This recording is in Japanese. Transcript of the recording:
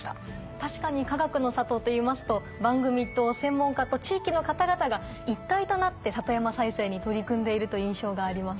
確かに「かがくの里」っていいますと番組と専門家と地域の方々が一体となって里山再生に取り組んでいるという印象があります。